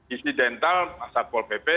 isi dental masyarakat tidak bisa diapapakan